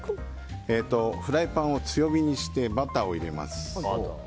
フライパンを強火にしてバターを入れます。